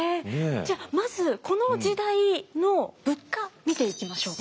じゃあまずこの時代の物価見ていきましょうか。